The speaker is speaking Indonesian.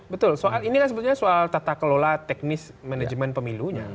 betul soal ini kan sebetulnya soal tata kelola teknis manajemen pemilunya